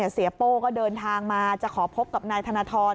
เสียโป้ก็เดินทางมาจะขอพบกับนายธนทร